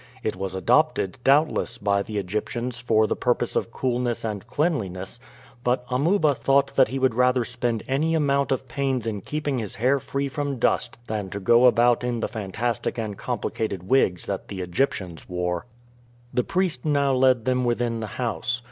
It was adopted, doubtless, by the Egyptians for the purpose of coolness and cleanliness; but Amuba thought that he would rather spend any amount of pains in keeping his hair free from dust than go about in the fantastic and complicated wigs that the Egyptians wore. The priest now led them within the house.